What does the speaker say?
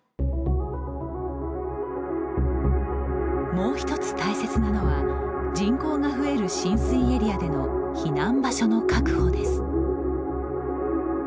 もう１つ大切なのは人口が増える浸水エリアでの避難場所の確保です。